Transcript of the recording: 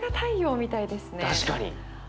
確かに。